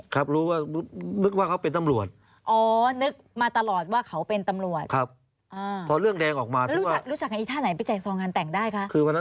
ครับรู้ว่า